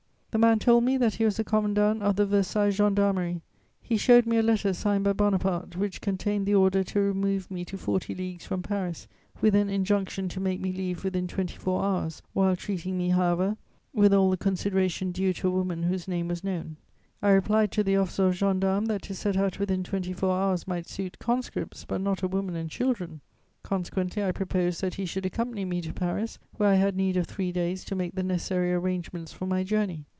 The man told me that he was the commandant of the Versailles Gendarmery.... He showed me a letter, signed by Bonaparte, which contained the order to remove me to forty leagues from Paris, with an injunction to make me leave within twenty four hours, while treating me, however, with all the consideration due to a woman whose name was known.... I replied to the officer of gendarmes that to set out within twenty four hours might suit conscripts, but not a woman and children. Consequently I proposed that he should accompany me to Paris, where I had need of three days to make the necessary arrangements for my journey.